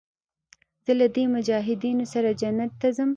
زه له دې مجاهدينو سره جنت ته ځم.